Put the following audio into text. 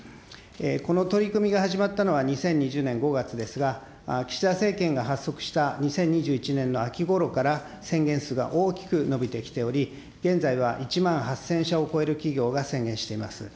この取り組みが始まったのは２０２０年５月ですが、岸田政権が発足した２０２１年の秋ごろから、宣言数が大きく伸びてきており、現在は１万８０００社を超える企業が宣言しています。